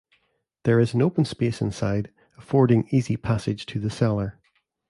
There is an open space inside affording easy passage to the cellar.